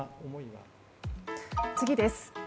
次です。